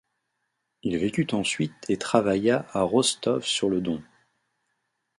Il vécut ensuite et travailla à Rostov-sur-le-Don.